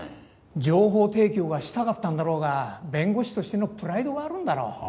情報提供がしたかったんだろうが弁護士としてのプライドがあるんだろう。